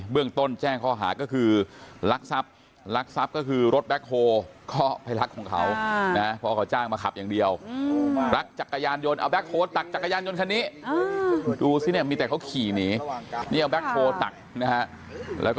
เบื้องต้นแจ้งเค้าหาก็คือ